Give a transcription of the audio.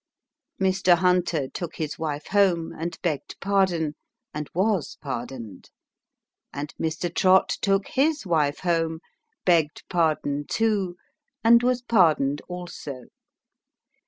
Mr. Hunter took his wife home, and begged pardon, and was pardoned ; and Mr. Trott took his wife home, begged pardon too, and was pardoned also.